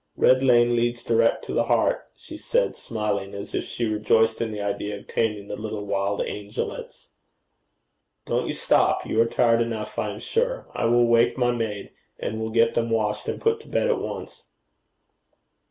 Red Lane leads direct to the heart,' she said, smiling, as if she rejoiced in the idea of taming the little wild angelets. 'Don't you stop. You are tired enough, I am sure. I will wake my maid, and we'll get them washed and put to bed at once.'